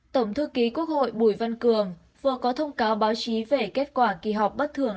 tổng thư ký quốc hội bùi văn cường vừa có thông cáo báo chí về kết quả kỳ họp bất thường